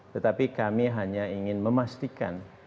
tetapi kami hanya ingin memastikan